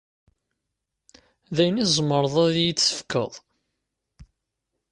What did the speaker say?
D ayen i tzemreḍ ad yi-d-tefkeḍ?